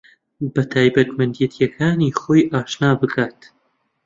بە تایبەتمەندێتییەکانی خۆی ئاشنا بکات